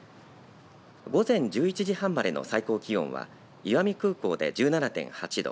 午前１１時半までの最高気温は石見空港で１７．８度